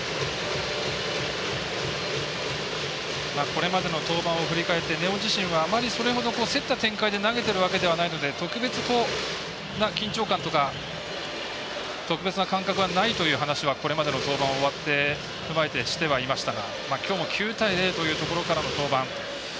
これまでの登板を振り返って根尾自身はあまりそれほど競った展開で投げているわけではないので特別な緊張感とか特別な感覚はないという話はこれまでの登板を終わってしてはいましたがきょうの９対０というところからの登板。